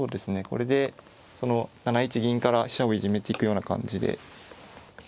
これでその７一銀から飛車をいじめていくような感じで。